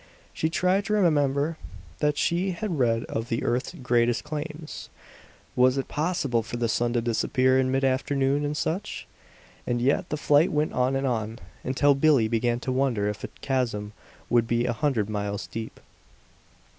She tried to remember what she had read of the earth's greatest chasms; was it possible for the sun to disappear in mid afternoon in such? And yet the flight went on and on, until Billie began to wonder if a chasm could be a hundred miles deep.